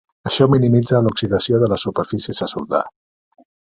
Això minimitza l'oxidació de les superfícies a soldar.